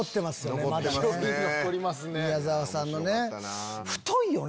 宮沢さんのね。